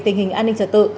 tình hình an ninh trật tự